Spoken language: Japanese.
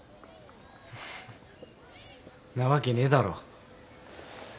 んなわけねえだろ。